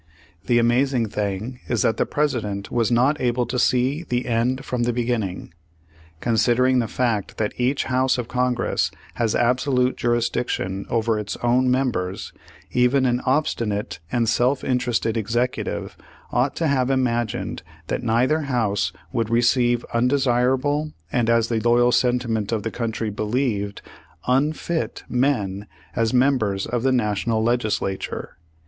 The amazing thing is that the President was not able to see the end from the beginning. Con sidering the fact that each House of Congress has absolute jurisdiction over its own members, even an obstinate and salf interested Executive ought to have imagined that neither House would re ceive undesirable, and as the loyal sentiment of the country believed, unfit men as members of the National legislature.